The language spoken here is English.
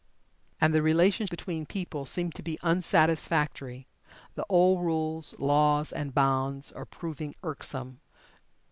And the relations between people seem to be unsatisfactory. The old rules, laws, and bonds are proving irksome.